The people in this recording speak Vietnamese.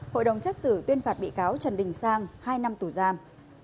hội đồng xét xử tuyên phạt bị cáo trần đình sang hai năm tù giam